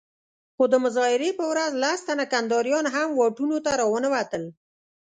خو د مظاهرې په ورځ لس تنه کنداريان هم واټونو ته راونه وتل.